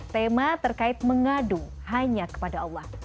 tema terkait mengadu hanya kepada allah